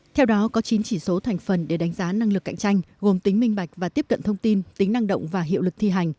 theo đó có chín chỉ số thành phần để đánh giá năng lực cạnh tranh gồm tính minh bạch và tiếp cận thông tin tính năng động và hiệu lực thi hành